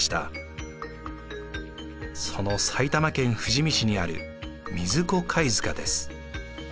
その埼玉県富士見市にある水子貝塚です。